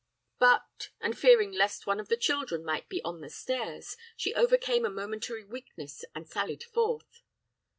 but and fearing lest one of the children might be on the stairs, she overcame a momentary weakness and sallied forth.